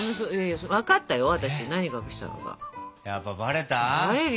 やっぱバレた？